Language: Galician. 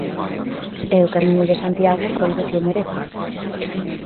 E o Camiño de Santiago coido que o merece.